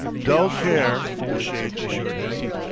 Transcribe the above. "Dull Care," the Shade assured him.